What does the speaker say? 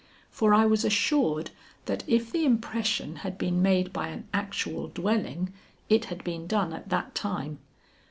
For I was assured that if the impression had been made by an actual dwelling it had been done at that time.